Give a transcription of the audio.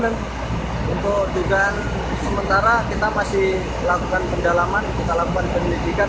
untuk dugaan sementara kita masih lakukan pendalaman kita lakukan penyelidikan